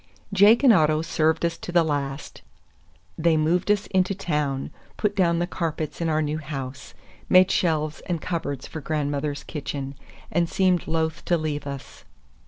Jake and Otto served us to the last. They moved us into town, put down the carpets in our new house, made shelves and cupboards for grandmother's kitchen, and seemed loath to leave us.